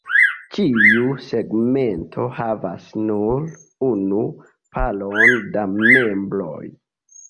Ĉiu segmento havas nur unu paron da membroj.